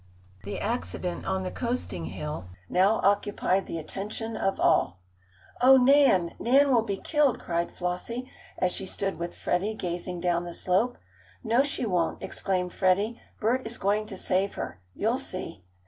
The accident on the coasting hill now occupied the attention of all. "Oh, Nan! Nan will be killed!" cried Flossie, as she stood with Freddie gazing down the slope. "No, she won't!" exclaimed Freddie, "Bert is going to save her you'll see!"